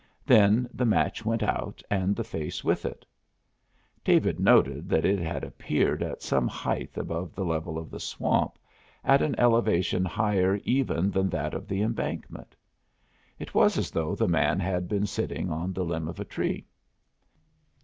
Then the match went out and the face with it. David noted that it had appeared at some height above the level of the swamp, at an elevation higher even than that of the embankment. It was as though the man had been sitting on the limb of a tree.